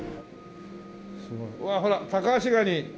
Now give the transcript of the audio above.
わあほらタカアシガニ。